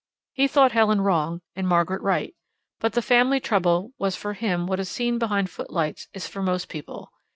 He thought Helen wrong and Margaret right, but the family trouble was for him what a scene behind footlights is for most people.